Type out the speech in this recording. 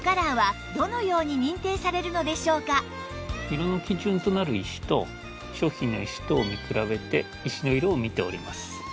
色の基準となる石と商品の石とを見比べて石の色を見ております。